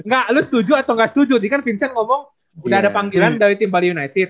gak lu setuju atau nggak setuju tadi kan vincent ngomong udah ada panggilan dari tim bali united